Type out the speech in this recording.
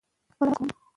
خپل زړه پراخ کړئ.